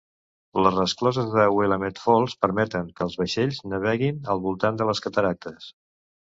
Les rescloses de Willamette Falls permeten que els vaixells naveguin al voltant de les cataractes.